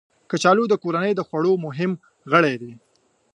کچالو د کورنۍ د خوړو مهم غړی دی